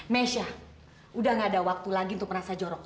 mesya udah enggak ada waktu lagi untuk merasa jorok